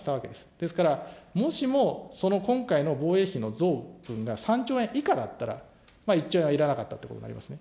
ですから、もしもその今回の防衛費の増分が３兆円以下だったら、１兆円はいらなかったということになりますね。